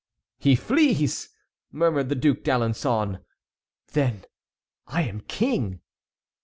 "He flees!" murmured the Duc d'Alençon; "then I am king!"